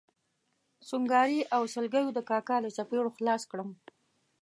سونګاري او سلګیو د کاکا له څپېړو خلاص کړم.